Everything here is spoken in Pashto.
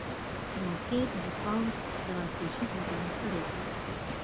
راکټ د پوځ ستراتیژي بدله کړې ده